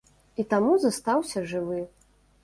І таму застаўся жывы.